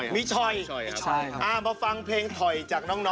มีช่อยมาฟังเพลงถอยจากน้อง